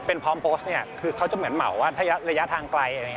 เป็นพร้อมโพสต์เนี่ยคือเขาจะเหมือนเหมาว่าถ้าระยะทางไกล